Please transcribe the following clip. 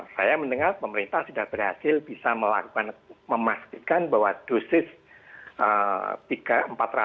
saya mendengar pemerintah sudah berhasil bisa melakukan memastikan bahwa dosis empat ratus